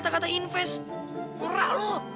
confes murah lu